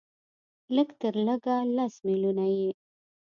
لږ تر لږه لس ملیونه یې